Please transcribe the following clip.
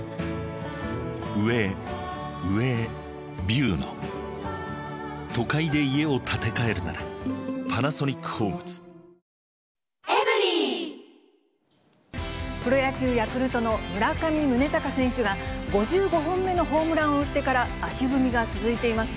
きょうは絶対やってくれるとプロ野球・ヤクルトの村上宗隆選手が、５５本目のホームランを打ってから、足踏みが続いています。